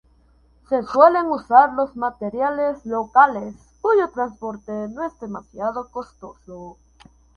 Se suelen usar los materiales locales, cuyo transporte no es demasiado costoso.